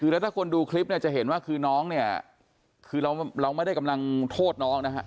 แล้วถ้าคนดูคลิปเนี่ยจะเห็นว่าคือน้องเนี่ยคือเราไม่ได้กำลังโทษน้องนะฮะ